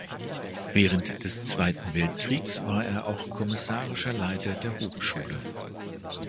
Während des Zweiten Weltkriegs war er auch kommissarischer Leiter der Hochschule.